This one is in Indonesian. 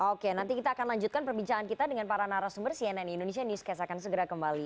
oke nanti kita akan lanjutkan perbincangan kita dengan para narasumber cnn indonesia newscast akan segera kembali